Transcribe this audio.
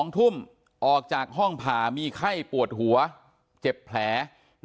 ๒ทุ่มออกจากห้องผ่ามีไข้ปวดหัวเจ็บแผล